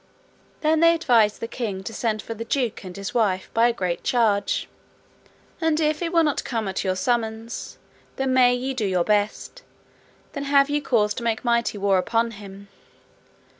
Then they advised the king to send for the duke and his wife by a great charge; and if he will not come at your summons, then may ye do your best, then have ye cause to make mighty war upon him.